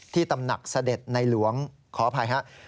ตำหนักเสด็จในหลวงขออภัยครับ